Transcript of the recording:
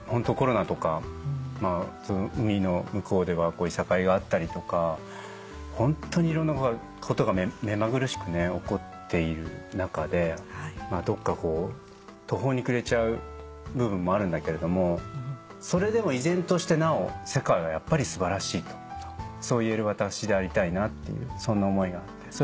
コロナとか海の向こうではいさかいがあったりとかホントにいろんなことが目まぐるしく起こっている中でどっか途方に暮れちゃう部分もあるんだけれどもそれでも依然としてなお世界はやっぱり素晴らしいとそう言える私でありたいなっていうそんな思いがあって。